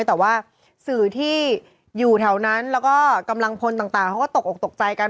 แต่ว่าสื่อที่อยู่แถวนั้นแล้วก็กำลังพลต่างเขาก็ตกออกตกใจกัน